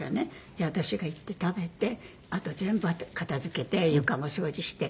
じゃあ私が行って食べてあと全部片付けて床も掃除して。